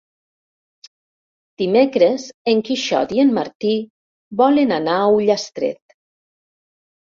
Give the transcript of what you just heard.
Dimecres en Quixot i en Martí volen anar a Ullastret.